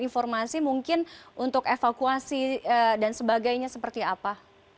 informasi mungkin untuk evakuasi dan sebagainya seperti apa